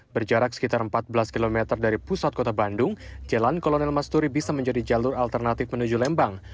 berjarak sekitar empat belas km dari pusat kota bandung jalan kolonel masturi bisa menjadi jalur alternatif menuju lembang